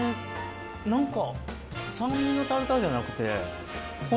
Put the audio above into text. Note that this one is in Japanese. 何か。